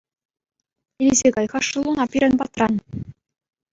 Илсе кай-ха шӑллуна пирӗн патран.